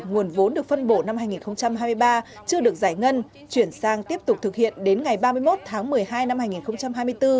nguồn vốn được phân bổ năm hai nghìn hai mươi ba chưa được giải ngân chuyển sang tiếp tục thực hiện đến ngày ba mươi một tháng một mươi hai năm hai nghìn hai mươi bốn